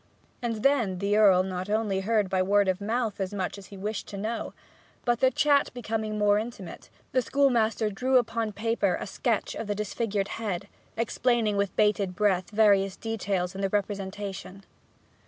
And then the Earl not only heard by word of mouth as much as he wished to know, but, their chat becoming more intimate, the schoolmaster drew upon paper a sketch of the disfigured head, explaining with bated breath various details in the representation.